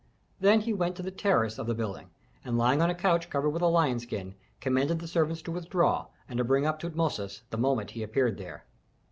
Then he went to the terrace of the building, and lying on a couch covered with a lion skin, commanded the servants to withdraw and to bring up Tutmosis the moment he appeared there.